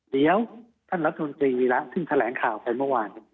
เดี๋ยวท่านรัฐมนตรีวีระเพิ่งแถลงข่าวไปเมื่อวาน